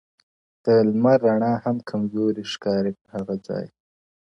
د لمر رڼا هم کمزورې ښکاري په هغه ځای,